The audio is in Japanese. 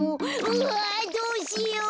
うわどうしよう。